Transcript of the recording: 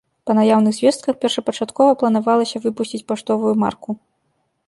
Па наяўных звестках, першапачаткова планавалася выпусціць паштовую марку.